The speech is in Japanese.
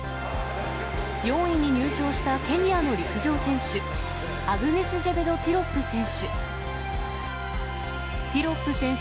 ４位に入賞したケニアの陸上選手、アグネスジェベト・ティロップ選手。